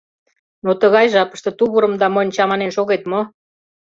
Но тыгай жапыште тувырым да монь чаманен шогет мо!